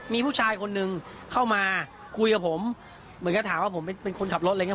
มีผู้ชายคนนึงเข้ามาคุยกับผมเหมือนกับถามว่าผมเป็นคนขับรถอะไรอย่างเ